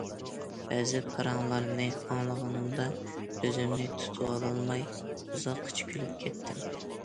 بەزى پاراڭلارنى ئاڭلىغىنىمدا ئۆزۈمنى تۇتۇۋالالماي ئۇزاققىچە كۈلۈپ كەتتىم.